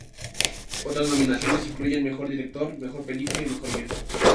Otras nominaciones incluyen mejor director, mejor película y mejor guion.